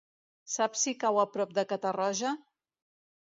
Saps si cau a prop de Catarroja?